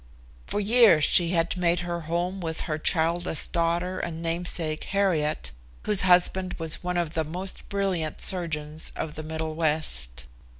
For years she had made her home with her childless daughter and namesake, Harriet, whose husband was one of the most brilliant surgeons of the middle West.